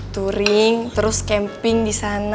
touring terus camping di sana